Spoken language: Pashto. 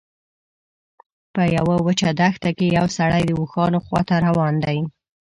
په یوه وچه دښته کې یو سړی د اوښانو خواته روان دی.